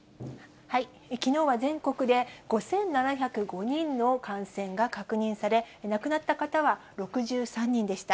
きのうは全国で５７０５人の感染が確認され、亡くなった方は６３人でした。